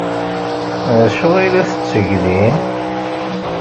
D acu ay la tetteg din?